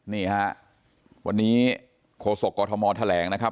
นี้วันนี้โคศกกทมแทรง